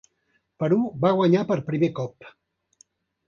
Perú va guanyar per primer cop.